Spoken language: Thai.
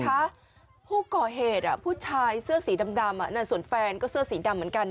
นะคะผู้ก่อเหตุผู้ชายเสื้อสีดำส่วนแฟนก็เสื้อสีดำเหมือนกัน